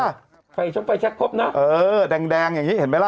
ให้ชมไฟชักครบเออดางดางอย่างนี้เห็นไหมล่ะ